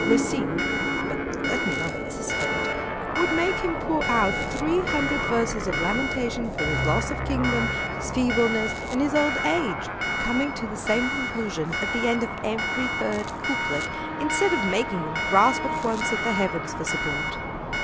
Racine (but let me not anticipate) would make him pour out three hundred verses of lamentation for his loss of king dom, his feebleness, and his old age, coming to the same conclusion at the end of every third couplet, instead of making him grasp at once at the Heavens for support.